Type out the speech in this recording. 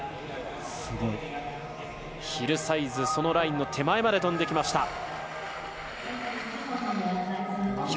ヒルサイズそのラインの手前まで飛んできました。